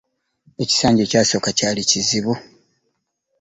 Ekisanja ekyasooka kyali kizibu.